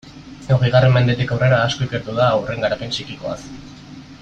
Hogeigarren mendetik aurrera asko ikertu da haurren garapen psikikoaz.